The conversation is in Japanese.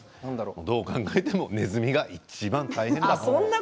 どう考えてもねずみがいちばん大変だと。